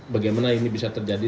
bagaimana ini bisa terjadi